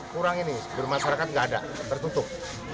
kurang ini bermasyarakat nggak ada tertutup